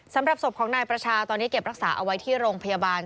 สำหรับศพของนายประชาตอนนี้เก็บรักษาเอาไว้ที่โรงพยาบาล